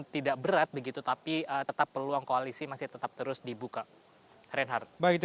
tidak berat begitu tapi tetap peluang koalisi masih tetap terus dibuka reinhardt